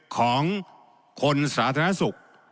ของคนสาธารณสุข